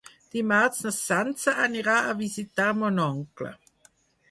Dimarts na Sança anirà a visitar mon oncle.